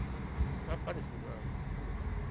さっぱりするから行ってくるか。